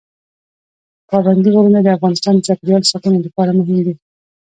پابندي غرونه د افغانستان د چاپیریال ساتنې لپاره مهم دي.